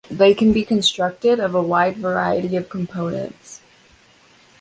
They can be constructed of a wide variety of components.